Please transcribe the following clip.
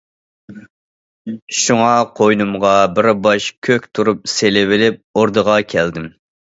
شۇڭا قوينۇمغا بىر باش كۆك تۇرۇپ سېلىۋېلىپ ئوردىغا كەلدىم.